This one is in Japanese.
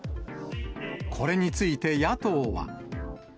これについて野党は。